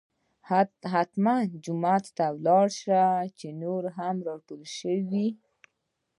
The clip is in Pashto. حتمي جومات ته به لاړ شو چې نور هم راټول شي.